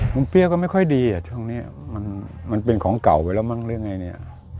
มุ่งเปรี้ยวก็ไม่ค่อยดีอะช่วงนี้